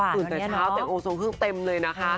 ตื่นแต่เช้าแต่โอทงคลึกเต็มเลย